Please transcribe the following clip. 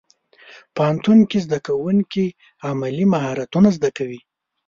پوهنتون کې زدهکوونکي عملي مهارتونه زده کوي.